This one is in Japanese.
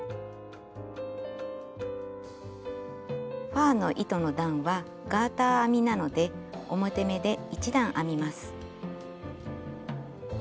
ファーの糸の段はガーター編みなので表目で１段編みます。